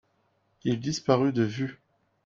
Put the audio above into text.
il disparut de vue.